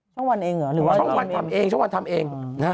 ช่องวันเองหรอช่องวันทำเอง